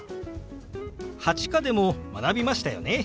８課でも学びましたよね。